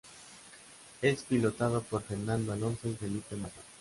Es pilotado por Fernando Alonso y Felipe Massa.